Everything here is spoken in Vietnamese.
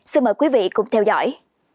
xin mời quý vị cùng theo dõi